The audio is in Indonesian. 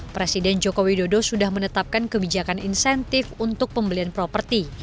presiden joko widodo sudah menetapkan kebijakan insentif untuk pembelian properti